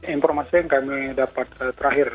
informasi yang kami dapat terakhir